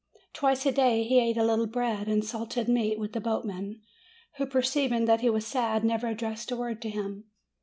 Twice a day he ate a little bread and salted meat with the boatmen, who, perceiving that he was sad, never addressed a word to him.